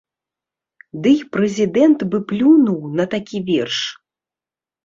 Дый прэзідэнт бы плюнуў на такі верш.